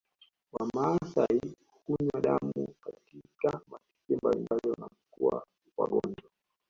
Wamaasai hunywa damu katika matukio mbalimbali wanapokuwa wagonjwa